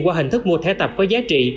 qua hình thức mua thẻ tập có giá trị